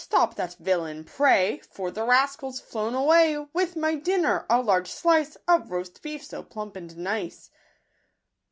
stop that villain, pray For the rascal's flown away With my dinner, a large slice Of roast beef, so plump and nice."